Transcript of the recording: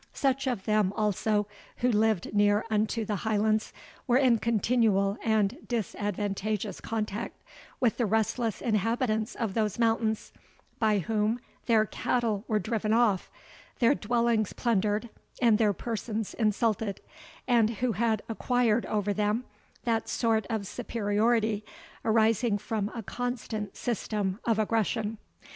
Such of them, also, who lived near unto the Highlands, were in continual and disadvantageous contact with the restless inhabitants of those mountains, by whom their cattle were driven off, their dwellings plundered, and their persons insulted, and who had acquired over them that sort of superiority arising from a constant system of aggression.